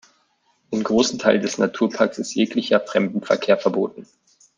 In großen Teilen des Naturparks ist jeglicher Fremdenverkehr verboten.